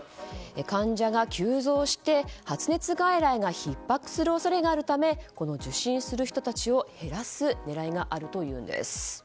患者が急増して発熱外来がひっ迫する恐れがあるため受診する人たちを減らす狙いがあるというんです。